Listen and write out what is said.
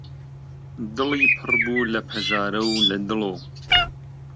دڵی پڕ بوو لە پەژارە و لە دڵۆ